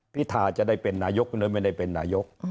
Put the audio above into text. พิธาจะได้เป็นนายกหรือไม่ได้เป็นนายก